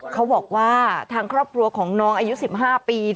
เขาบอกว่าทางครอบครัวของน้องอายุ๑๕ปี